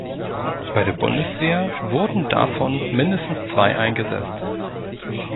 Bei der Bundeswehr wurden davon mindestens zwei eingesetzt.